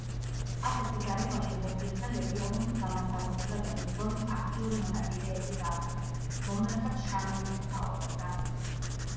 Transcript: ასეთ ვითარებაში ბოთლიხელები ეროვნულ-განმათავისუფლებელი ბრძოლის აქტიური მონაწილეები გახდნენ, რომლესაც შამილი მეთაურობდა.